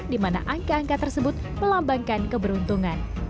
dimana angka angka tersebut melambangkan keberuntungan